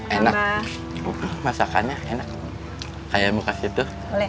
enak masakannya enak kayak muka situ